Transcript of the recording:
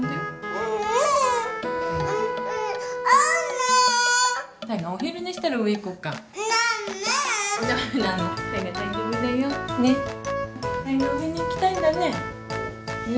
うえにいきたいんだね。